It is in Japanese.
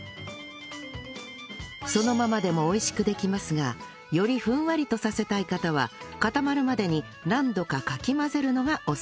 そのままでも美味しくできますがよりふんわりとさせたい方は固まるまでに何度かかき混ぜるのがおすすめ